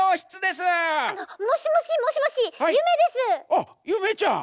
あっゆめちゃん！